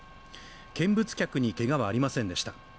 見物客にけがはありませんでした。